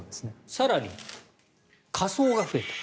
更に火葬が増えた。